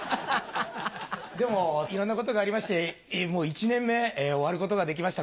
でもいろんなことがありまして１年目終わることができました。